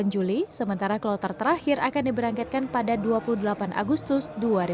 sembilan juli sementara kloter terakhir akan diberangkatkan pada dua puluh delapan agustus dua ribu dua puluh